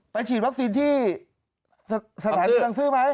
ฉีดวัคซีนที่สถานีรังซื้อไหม